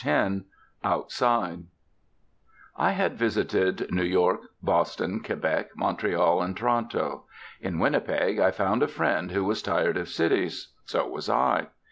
X OUTSIDE I had visited New York, Boston, Quebec, Montreal, and Toronto. In Winnipeg I found a friend, who was tired of cities. So was I.